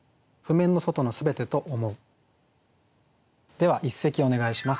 では一席お願いします。